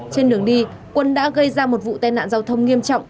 trên đường đi quân đã gây ra một vụ tai nạn giao thông nghiêm trọng